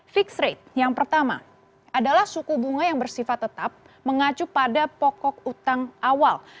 fixed rate yang pertama adalah suku bunga yang bersifat tetap mengacu pada pokok utang awal